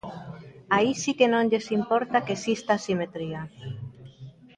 Aí si que non lles importa que exista asimetría.